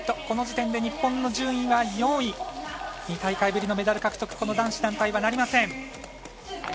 この時点で日本の順位が４位２大会ぶりのメダル獲得、男子団体はなりません。